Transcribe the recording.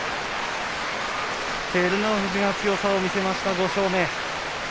照ノ富士、強さを見せました５勝目。